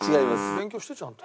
勉強してちゃんと。